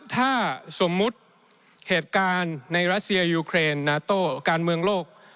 ถ้าสมมุติเหตุการณ์ในรัสเซียยูเครนนาโต้การเมืองโลก